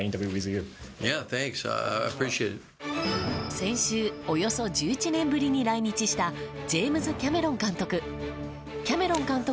先週およそ１１年ぶりに来日したジェームズ・キャメロン監督。